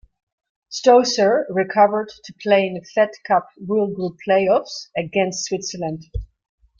Stosur recovered to play in the Fed Cup World Group Play-offs against Switzerland.